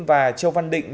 và châu văn định